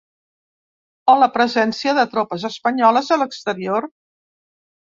O la presència de tropes espanyoles a l’exterior.